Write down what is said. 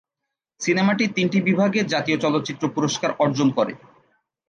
সিনেমাটি তিনটি বিভাগে জাতীয় চলচ্চিত্র পুরস্কার অর্জন করে।